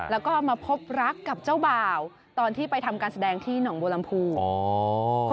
แล้วก็มาพบรักกับเจ้าบ่าวตอนที่ไปทำการแสดงที่หนองบัวลำพู